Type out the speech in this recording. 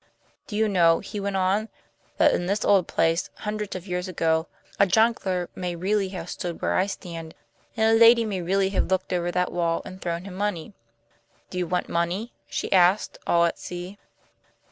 "Do you know," he went on, "that in this old place, hundreds of years ago, a jongleur may really have stood where I stand, and a lady may really have looked over that wall and thrown him money?" "Do you want money?" she asked, all at sea.